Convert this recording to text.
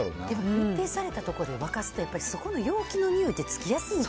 密閉されたところで沸かすと、やっぱり、そこの容器のにおいってつきやすいか。